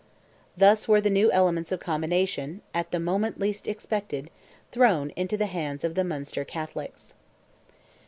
Thus were new elements of combination, at the moment least expected, thrown, into the hands of the Munster Catholics.